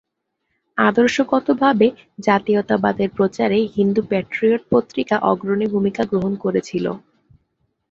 আদর্শগত ভাবে জাতীয়তাবাদের প্রচারে হিন্দু প্যাট্রিয়ট পত্রিকা অগ্রণী ভূমিকা গ্রহণ করেছিল।